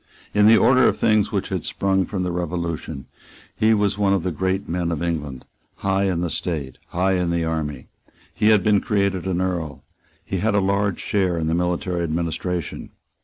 In the order of things which had sprung from the Revolution, he was one of the great men of England, high in the state, high in the army. He had been created an Earl. He had a large share in the military administration.